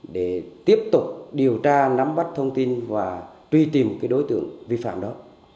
để tiếp tục điều tra nắm bắt thông tin và truy tìm cái đối tượng vi phạm đó